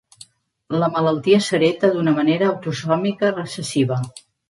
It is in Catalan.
La malaltia s'hereta d'una manera autosòmica recessiva.